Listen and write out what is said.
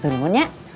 satu numpisan ya